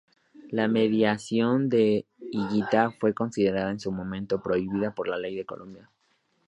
La mediación de Higuita fue considerada en su momento prohibida por la ley colombiana.